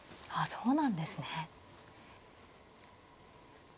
そうなんですね。